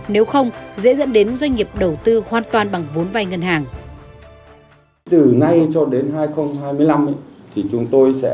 nếu không dễ dẫn đến doanh nghiệp bán hàng không